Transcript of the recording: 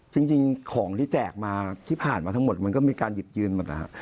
จริงของที่แจกมาที่ผ่านมาทั้งหมดมันก็มีการหยิบยืนหมดนะครับ